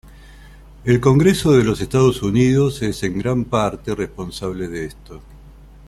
El congreso de Estados Unidos es en gran parte responsable de esto.